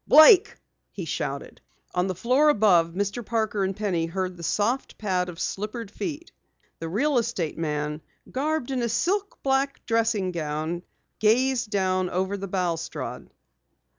"Blake!" he shouted. On the floor above Mr. Parker and Penny heard the soft pad of slippered feet. The real estate man, garbed in a black silk dressing gown, gazed down over the balustrade.